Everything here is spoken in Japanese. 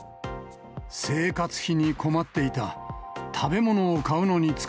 生活費に困っていた。